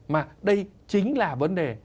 mà đây chính là vấn đề